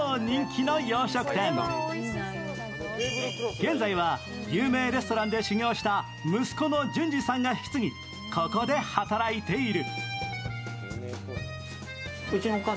現在は、有名レストランで修業した息子の准司さんが引き継ぎここで働いている。